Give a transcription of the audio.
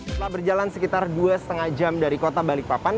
setelah berjalan sekitar dua lima jam dari kota balikpapan